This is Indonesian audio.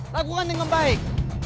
lakukan dengan baik